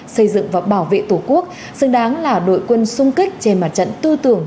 xây dựng và bảo vệ tổ quốc xứng đáng là đội quân sung kích trên mặt trận tư tưởng